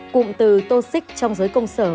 cụm từ tô xích trong giới công sở